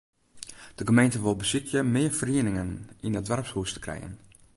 De gemeente wol besykje mear ferieningen yn it doarpshûs te krijen.